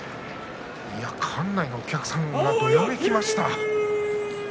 館内のお客さんがどよめきました。